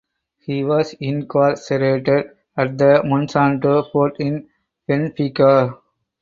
He was incarcerated at the Monsanto Fort in Benfica.